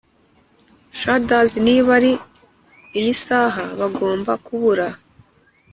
shudders niba ari iyi saha bagomba kubura.